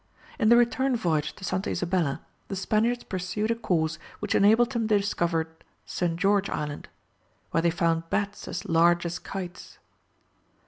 In the return voyage to Santa Isabella, the Spaniards pursued a course which enabled them to discover St. George Island, where they found bats as large as kites.